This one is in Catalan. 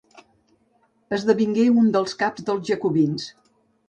Esdevingué un dels caps dels Jacobins.